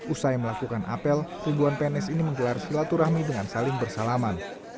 usai melakukan apel ribuan pns ini menggelar silaturahmi dengan saling bersalaman